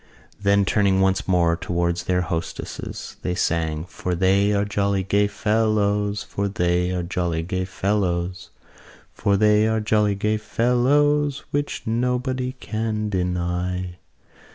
Then, turning once more towards their hostesses, they sang: For they are jolly gay fellows, For they are jolly gay fellows, For they are jolly gay fellows, Which nobody can deny.